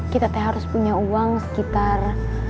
kita harus punya uang sekitar